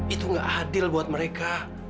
itu gak adil buat mereka